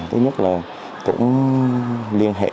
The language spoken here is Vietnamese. thứ nhất là cũng liên hệ